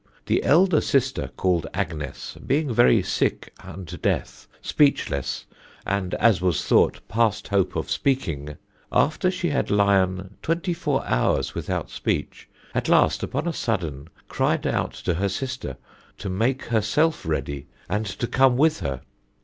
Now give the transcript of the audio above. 'The elder sister, called Agnes, being very sicke unto death, speechless, and, as was thought, past hope of speakinge; after she had lyen twenty four hours without speach, at last upon a suddayne cryed out to her sister to make herself ready and to come with her.